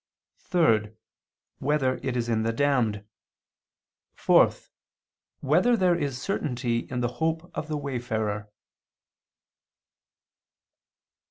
(3) Whether it is in the damned? (4) Whether there is certainty in the hope of the wayfarer?